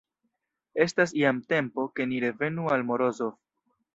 Estas jam tempo, ke ni revenu al Morozov.